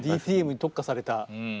ＤＴＭに特化された。